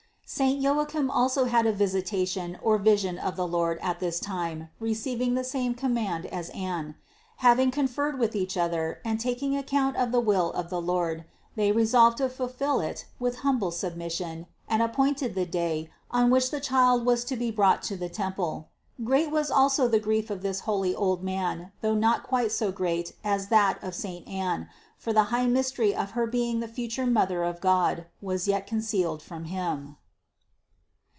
409. Saint Joachim also had a visitation or vision of the Lord at this time, receiving the same command as Anne. Having conferred with each other and taking account of the will of the Lord, they resolved to fulfill it with humble submission and appointed the day on which the Child was to be brought to the temple. Great was also the grief of this holy old man, though not quite so great as that of saint Anne, for the high mystery of her being the future Mother of God was yet concealed from him.